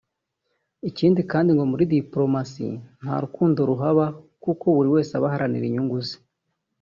Ikindi kandi ngo muri dipolomasi nta rukundo ruhaba kuko buri wese aba aharanira inyungu ze